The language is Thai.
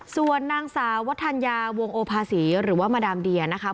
ส่วนนางสาววัฒนยาวงโอภาษีหรือว่ามาดามเดียนะคะ